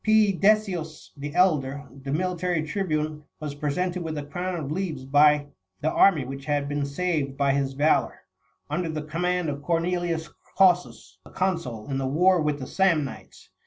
P. Decius the elder, the military tribune, was presented with a crown of leaves by the army which had been saved by his valour, under the com mand of Cornelius Cossus,31 the consul, in the war with the Samnites.